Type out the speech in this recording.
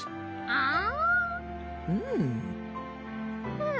うん。